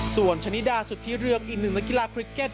ส่วนชนิดาสุดที่เลือกอีกหนึ่งนักกีฬาคริกแก้ต